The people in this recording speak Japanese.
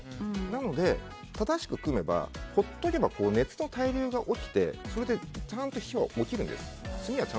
なので、正しく組めば放っておけば、熱の対流が起きてそれでちゃんと火はおきるんです。